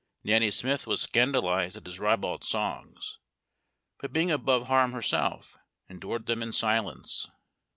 Nanny Smith was scandalized at his ribald songs, but being above harm herself, endured them in silence.